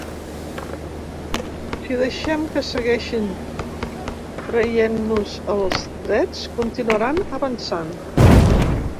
Si deixem que segueixin traient-nos els drets, continuaran avançant.